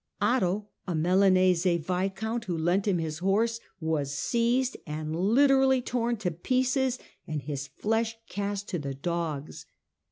Otto, a Milanese viscount, who lent him his own horse, was seized and literally tom to pieces, and his flesh cast to the dogs.